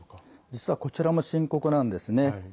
実は、こちらも深刻なんですね。